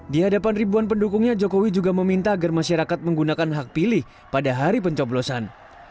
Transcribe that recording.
di hadapan ribuan pendukungnya jokowi juga meminta agar masyarakat menggunakan hak pilih pada hari pencoblosan